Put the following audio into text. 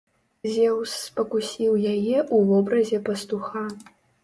Зеўс спакусіў яе ў вобразе пастуха.